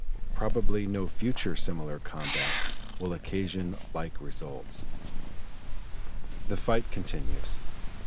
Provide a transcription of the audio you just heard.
Probably no future similar combat will occasion like results. The fight continues.